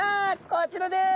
こちらです！